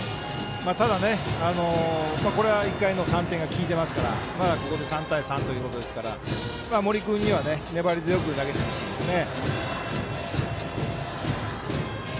ただね、これは１回の３点が効いてますからまだ３対３ということですから森君には粘り強く投げてほしいですね。